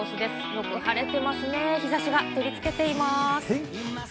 よく晴れていますね、日差しが照り付けています。